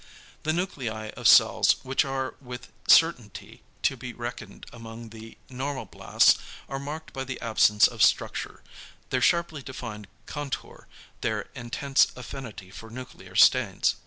The nuclei of cells which are with certainty to be reckoned among the normoblasts are marked by the absence of structure, their sharply defined contour, their intense affinity for nuclear stains.